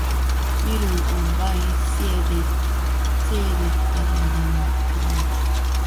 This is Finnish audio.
Minun on vain siedettävä tämä piina.